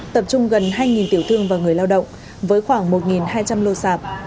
tập trung gần hai tiểu thương và người lao động với khoảng một hai trăm linh lô sạp